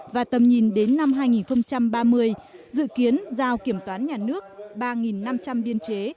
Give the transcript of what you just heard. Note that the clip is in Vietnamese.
và tầm nhìn đến năm hai nghìn ba mươi dự kiến giao kiểm toán nhà nước ba năm trăm linh biên chế